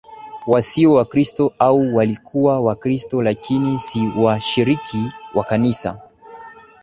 wasio Wakristo au walikuwa Wakristo lakini si washiriki wa Kanisa